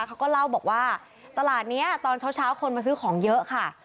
เขาก็เล่าบอกว่าตลาดนี้ตอนเช้าคนมาซื้อของเยอะค่ะ